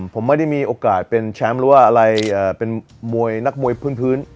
ผมไม่ได้มีโอกาสเป็นแชมป์หรือว่าอะไรเป็นมวยนักมวยพื้น